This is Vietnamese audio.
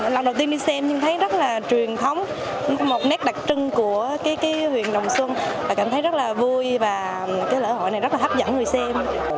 lần đầu tiên đi xem nhưng thấy rất là truyền thống một nét đặc trưng của huyện đồng xuân cảm thấy rất là vui và một cái lễ hội này rất là hấp dẫn người xem